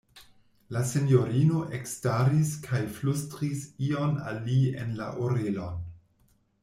La sinjorino ekstaris kaj flustris ion al li en la orelon.